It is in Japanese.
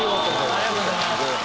ありがとうございます。